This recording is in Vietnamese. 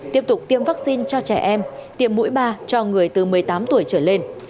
tiếp tục tiêm vaccine cho trẻ em tiêm mũi ba cho người từ một mươi tám tuổi trở lên